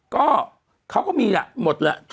ก็เขาก็มีอ่ะหมดละ